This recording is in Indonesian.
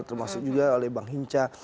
termasuk juga oleh bang hinca